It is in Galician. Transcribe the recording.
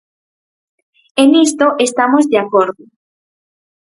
E nisto estamos de acordo.